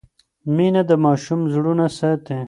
مینه د ماشوم زړونه ساتي.